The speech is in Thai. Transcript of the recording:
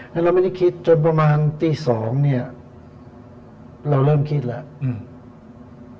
แล้วเราไม่ได้คิดจนประมาณตีสองเนี่ยเราเริ่มคิดแล้วอืม